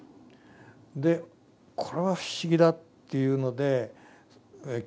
でこれは不思議だっていうので興味を持った。